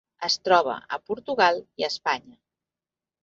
Es troba a Portugal i Espanya.